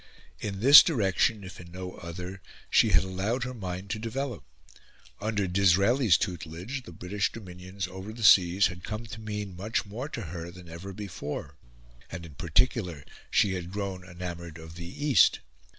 In this direction, if in no other, she had allowed her mind to develop. Under Disraeli's tutelage the British Dominions over the seas had come to mean much more to her than ever before, and, in particular, she had grown enamoured of the East.